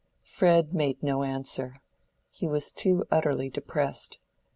Fred made no answer: he was too utterly depressed.